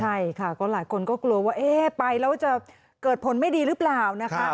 ใช่ค่ะก็หลายคนก็กลัวว่าเอ๊ะไปแล้วจะเกิดผลไม่ดีหรือเปล่านะคะ